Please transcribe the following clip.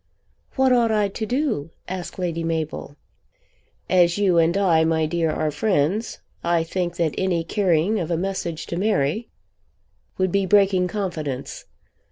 "What ought I to do?" asked Lady Mabel. "As you and I, my dear, are friends, I think that any carrying of a message to Mary would be breaking confidence.